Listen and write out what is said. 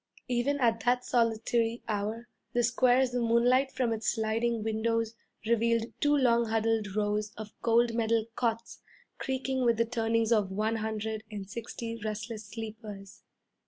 Even at that solitary hour the squares of moonlight from its sliding windows revealed two long huddled rows of Gold Medal cots creaking with the turnings of one hundred and sixty restless sleepers.